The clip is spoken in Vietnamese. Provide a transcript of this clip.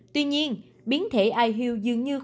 tuy nhiên biến thể ihu dường như khó khăn